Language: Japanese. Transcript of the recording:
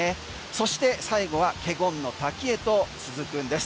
そして最後は華厳ノ滝へと続くんです。